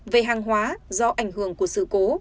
về hàng hóa do ảnh hưởng của sự cố